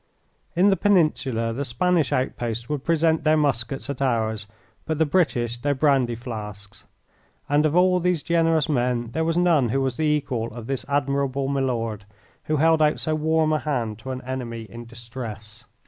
In the Peninsula the Spanish outposts would present their muskets at ours, but the British their brandy flasks. And of all these generous men there was none who was the equal of this admirable milord, who held out so warm a hand to an enemy in distress.